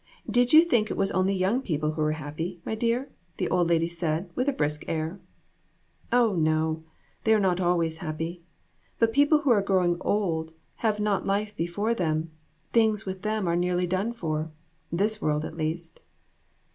Did you think it was only young people who were happy, my dear?" the old lady said, with a brisk air. "Oh, no; they are not always happy. But people who are growing old have not life before them; things with them are nearly done for this world at least."